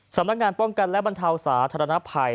สำนักงานป้องกันและบรรเทาสาธารณภัย